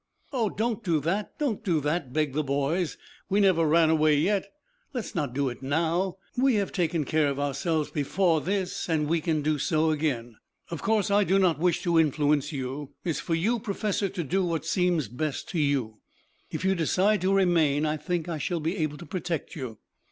"Oh, don't do that, don't do that," begged the boys. "We never ran away yet. Let's not do it now. We have taken care of ourselves before this and we can do so again." "Of course I do not wish to influence you. It is for you, Professor, to do what seems best to you. If you decide to remain I think I shall be able to protect you."